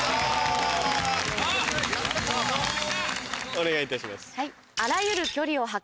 お願いいたします。